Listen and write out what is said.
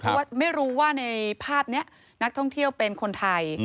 เพราะว่าไม่รู้ว่าในภาพนี้นักท่องเที่ยวเป็นคนไทย